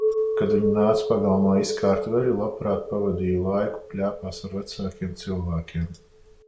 Kad viņi nāca pagalmā izkārt veļu, labprāt pavadīju laiku pļāpās ar vecākiem cilvēkiem.